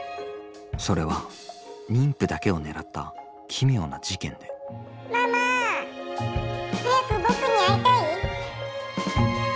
それは妊婦だけを狙った奇妙な事件で「ママ早く僕に会いたい？」。